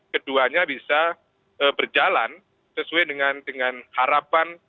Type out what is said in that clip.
keduanya bisa berjalan sesuai dengan harapan